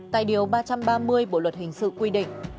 tại điều ba trăm ba mươi bộ luật hình sự quy định